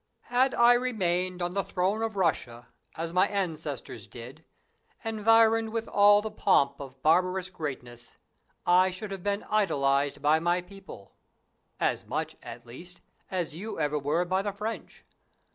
Peter. Had I remained on the throne of Russia, as my ancestors did, environed with all the pomp of barbarous greatness, I should have been idolised by my people as much, at least, as you ever were by the French.